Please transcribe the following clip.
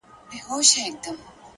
علم د انسان عزت ساتي!